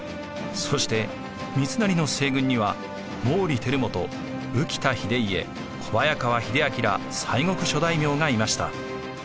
そして三成の西軍には毛利輝元宇喜多秀家小早川秀秋ら西国諸大名がいました。